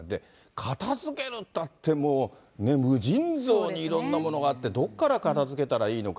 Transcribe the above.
片づけるったって、もう無尽蔵にいろんなものがあって、どこから片づけたらいいのか。